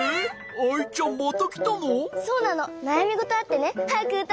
アイちゃんまたきたの？